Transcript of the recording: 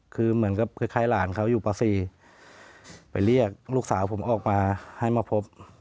คือเหมือนกับคล้ายหลานเขาอยู่ป๔ไปเรียกลูกสาวผมออกมาให้มาพบ